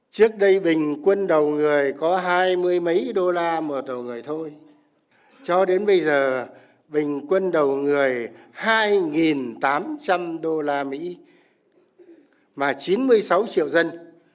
trước đây bình quân đầu người có hai mươi mấy đô la một đầu người thôi cho đến bây giờ bình quân đầu người hai tám trăm linh usd mà chín mươi sáu triệu dân